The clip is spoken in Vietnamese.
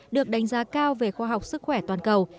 được đánh giá cao về khoa học sức khỏe toàn cầu